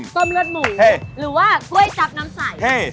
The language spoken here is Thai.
เลือดหมูหรือว่ากล้วยจับน้ำใส